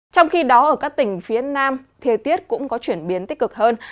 trong khi đó ở các tỉnh phía nam thời tiết cũng có chuyển biến tích cực hơn